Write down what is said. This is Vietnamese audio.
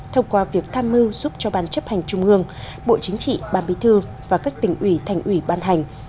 thông qua việc tham mưu giúp cho ban chấp hành trung ương bộ chính trị ban bí thư và các tỉnh ủy thành ủy ban hành